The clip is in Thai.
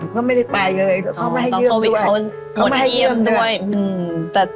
มันก็ไม่ได้ไปเลยเขามาให้เยื่อมด้วย